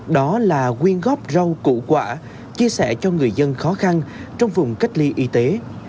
đó là quyên góp rau củ quả chia sẻ cho người dân khó khăn trong vùng cách ly y tế